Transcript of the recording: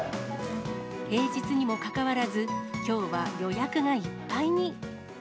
平日にもかかわらず、きょうは予約がいっぱいに。